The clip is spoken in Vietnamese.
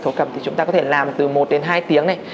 thổ cẩm thì chúng ta có thể làm từ một đến hai tiếng này